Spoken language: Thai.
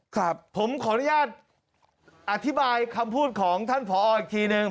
ครับผมขออนุญาตอธิบายคำพูดของท่านผออีกทีหนึ่ง